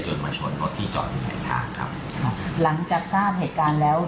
มาชนรถที่จอดอยู่หลายทางครับครับหลังจากทราบเหตุการณ์แล้ว